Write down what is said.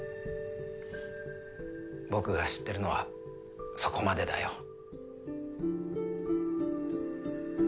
僕が知ってるのはそこまでだよ。